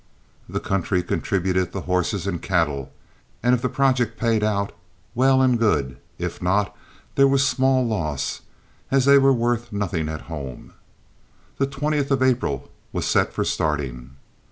The country contributed the horses and cattle, and if the project paid out, well and good; if not there was small loss, as they were worth nothing at home. The 20th of April was set for starting.